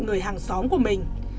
người hàng xóm của mình